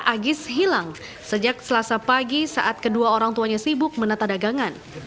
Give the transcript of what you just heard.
agis hilang sejak selasa pagi saat kedua orang tuanya sibuk menata dagangan